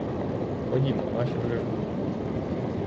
Ходімо, наші вже ждуть.